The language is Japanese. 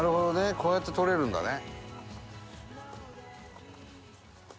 こうやって撮れるんだね。